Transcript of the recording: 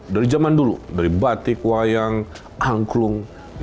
dari zaman dulu dari batik wayang angklung